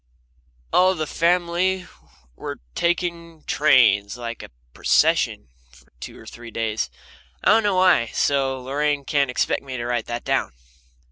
All the family were taking trains, like a procession, for two or three days. I don't know why, so Lorraine can't expect me to write that down.